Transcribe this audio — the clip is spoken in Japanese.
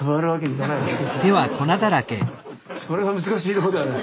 それは難しいとこだよね。